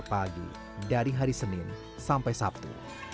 pagi dari hari senin sampai sabtu